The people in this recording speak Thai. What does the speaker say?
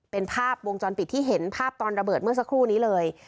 เป็นภาพวงจรปิดที่เห็นภาพตอนระเบิดเมื่อสักครู่นี้เลย